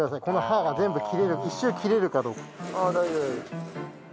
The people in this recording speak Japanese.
この刃が全部切れる１周切れるかどうか。